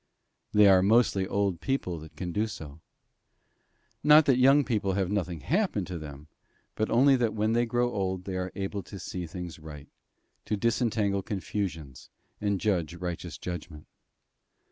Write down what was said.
They are mostly old people that can do so. Not that young people have nothing happen to them; but that only when they grow old, are they able to see things right, to disentangle confusions, and judge righteous judgment.